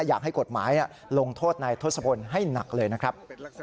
อยากให้กฎหมายลงโทษนายทศพลให้หนักเลยนะครับ